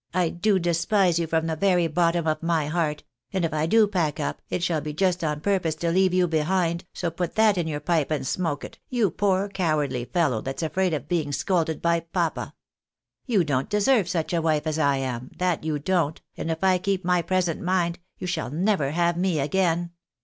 " I do despise you from the very bottom of my heart ; and if I do pack up, it shall be just on purpose to leave you behind, so put that in your pipe and smoke it, you poor cowardly fellow, that's afraid of being scolded by papa. You don't deserve such a wife as I am, that you don't, and if I keep my present my mind, you shall never have me again.